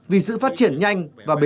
vì sự phát triển nhanh